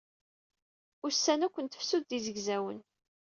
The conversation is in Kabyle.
Ussan akk n tefsut d izegzawen